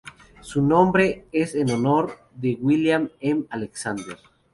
Su nombre es en honor de William M. Alexander.